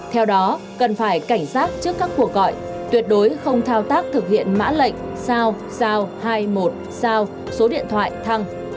theo đó cần phải cảnh giác trước các cuộc gọi tuyệt đối không thao tác thực hiện mã lệnh sao sao hai một sao số điện thoại thăng